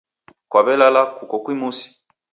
Kwaw'elala kuko kimusi